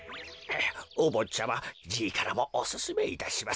おぼっちゃまじいからもおすすめいたします。